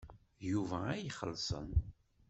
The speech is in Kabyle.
D Yuba ay ixellṣen.